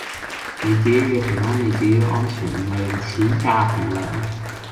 你自己嘅平安你自己嘅安全唔係用錢㗎衡量